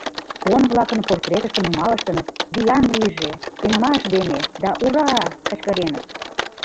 Он-влакын портретыштым нумалыштыныт, «Виян лийже...», «Сеҥымаш дене!» да «Ура-а!» кычкыреныт.